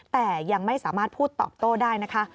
แต่ยังไม่สามารถพูดตอบโต้ได้นะคะ